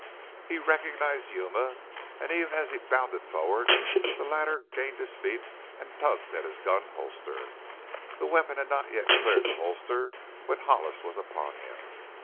He recognized Yuma, and even as he bounded forward the latter gained his feet and tugged at his gun holster. The weapon had not yet cleared the holster when Hollis was upon him.